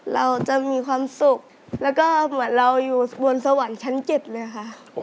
เราจะมีความสุขแล้วก็เหมือนเราอยู่บนสวรรค์ชั้น๗เลยค่ะ